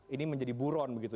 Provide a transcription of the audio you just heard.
ini menjadi buron begitu